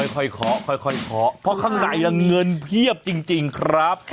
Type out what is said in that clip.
ค่อยขอขอเพราะข้างในเงินเพียบจริงครับ